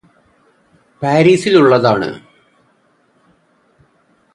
പാരിസിലുള്ളതാണ്